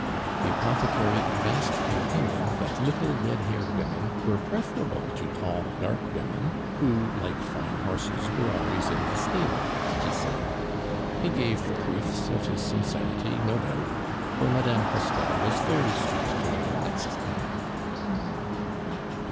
The apothecary advanced the opinion that little red haired women were preferable to tall, dark women, who, like fine horses, were always in the stable, he said. He gave proofs of his sincerity, no doubt, for Mme. Postel was very sweet to him next day.